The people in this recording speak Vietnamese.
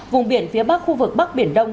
vùng biển phía bắc khu vực bắc biển đông